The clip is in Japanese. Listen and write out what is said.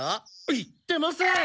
言ってません。